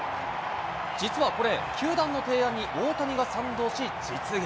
実はこれ、球団の提案に大谷が賛同し実現。